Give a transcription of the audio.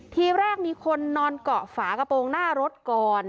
ทีแรกมีคนนอนเกาะฝากระโปรงหน้ารถก่อน